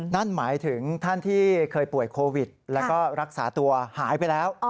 นั่นหมายถึงท่านที่เคยป่วยโควิดแล้วก็รักษาตัวหายไปแล้ว